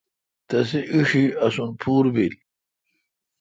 تسی ایݭی اسون پھور بیل۔